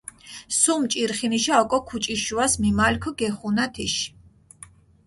სუმ ჭირხინიშა ოკო ქუჭიშუას მიმალქჷ გეხუნა თიში.